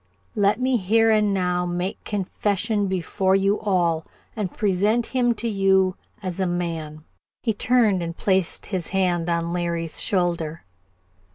Let me here and now make confession before you all, and present him to you as a man " He turned and placed his hand on Larry's shoulder.